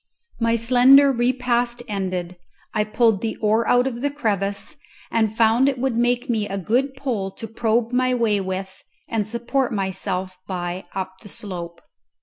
My slender repast ended, I pulled the oar out of the crevice, and found it would make me a good pole to probe my way with and support myself by up the slope.